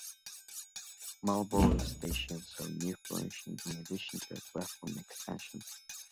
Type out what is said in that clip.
Marlborough station saw new furnishings in addition to a platform extension.